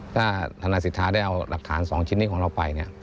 ถ้าธนายสิทธาได้เอาหลักฐาน๒ชิ้นนี้ของเราไป